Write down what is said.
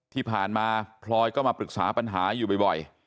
ที่ผ่านมาพลอยก็มาปรึกษาปัญหาอยู่บ่อย